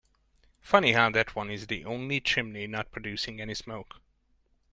Funny how that one is the only chimney not producing any smoke.